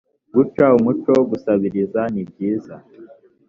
guca umuco wo gusabiriza nibyiza